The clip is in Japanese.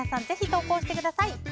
ぜひ投稿してください。